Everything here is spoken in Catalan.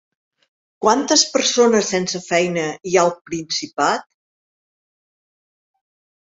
Quantes persones sense feina hi ha al Principat?